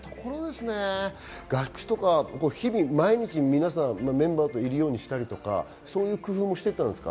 日々毎日皆さんメンバーといるようにしたり、そういう工夫もしてたんですか？